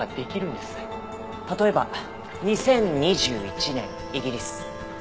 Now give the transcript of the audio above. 例えば２０２１年イギリス。